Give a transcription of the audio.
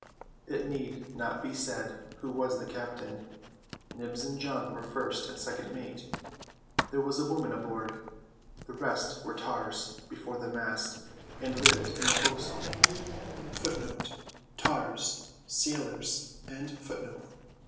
It need not be said who was the captain. Nibs and John were first and second mate. There was a woman aboard. The rest were tars before the mast, and lived in the fo'c'sle.